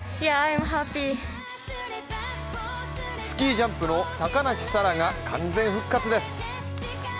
スキージャンプの高梨沙羅が完全復活です。